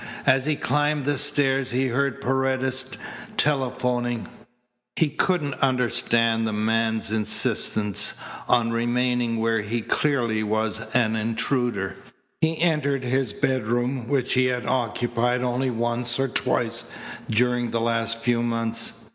As he climbed the stairs he heard Paredes telephoning. He couldn't understand the man's insistence on remaining where clearly he was an intruder. He entered his bedroom which he had occupied only once or twice during the last few months.